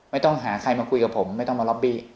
ไม่ต้องหาใครมาคุยกับผมไม่ต้องมาล็อบบี้